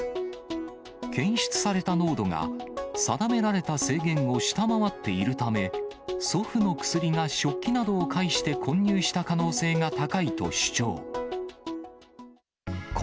検出された濃度が、定められた制限を下回っているため、祖父の薬が食器などを介して混入した可能性が高いと主張。